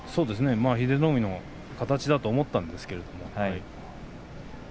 英乃海の形だと思ったんですけれども。